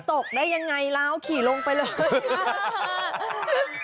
ตกได้ยังไงล้าวขี่ลงไปเลย